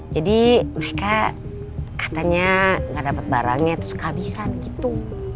jadi mereka katanya gak dapet barangnya terus kehabisan gitu